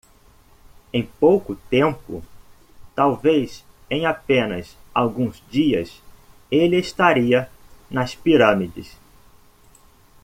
Em pouco tempo? talvez em apenas alguns dias? ele estaria nas pirâmides.